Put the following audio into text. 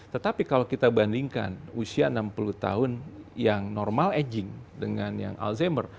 tetapi kalau kita bandingkan usia enam puluh tahun yang normal aging dengan yang alzheimer